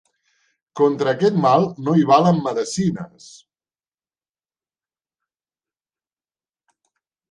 Contra aquest mal, no hi valen medecines.